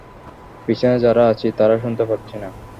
পিছনে যারা আছি, তারা শুনতে পাচ্ছি না।